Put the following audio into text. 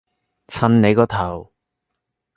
襯你個頭